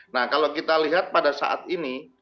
nah kalau kita lihat pada saat ini